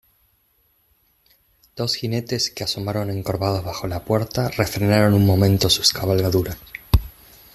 dos jinetes que asomaron encorvados bajo la puerta, refrenaron un momento sus cabalgaduras